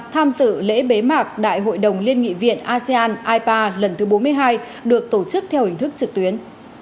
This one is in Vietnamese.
tham dự lễ bế mạc đại hội đồng liên nghị viện asean ipa lần thứ bốn mươi hai được tổ chức theo hình thức trực tuyến